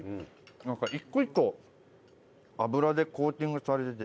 なんか一個一個油でコーティングされてて。